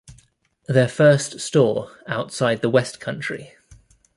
Their first store outside the west country.